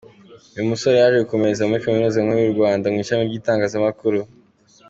Uyu musore yaje gukomereza muri Kaminuza Nkuru y’u Rwanda mu ishami ry’itangazamakuru.